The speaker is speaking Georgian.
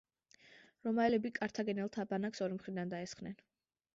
რომაელები კართაგენელთა ბანაკს ორი მხრიდან დაესხნენ.